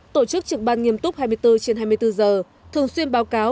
tổ chức trực ban nghiêm túc hai mươi bốn trên hai mươi bốn giờ thường xuyên báo cáo